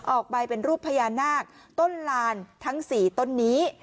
ออกไปเป็นรูปพญานาคต้นลานทั้ง๔ต้นนี้